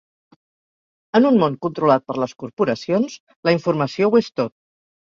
En un món controlat per les corporacions, la informació ho és tot.